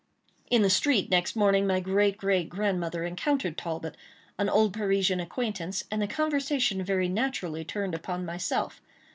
In the street, next morning, my great, great, grandmother encountered Talbot, an old Parisian acquaintance; and the conversation, very naturally turned upon myself.